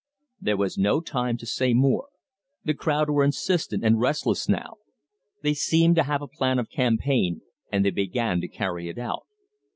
There was no time to say more. The crowd were insistent and restless now. They seemed to have a plan of campaign, and they began to carry it out.